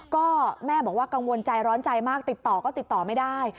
ก็แม่บอกว่ากังวลใจร้อนใจมากติดต่อก็ติดต่อไม่ได้